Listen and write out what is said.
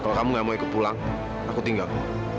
kalau kamu gak mau ikut pulang aku tinggal